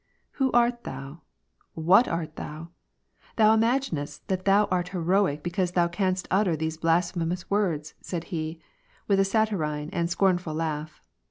" Who art thou ? What art thou ? Thou imaginest that thou art heroic because thou canst utter those blasphemoas words," said he, with a saturnine and scornful laugh.